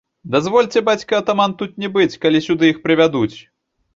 Дазвольце, бацька атаман, тут не быць, калі сюды іх прывядуць!